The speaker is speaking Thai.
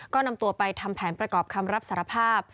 ก็นำตัวไปทำแผนประกอบคำรับสารภาพ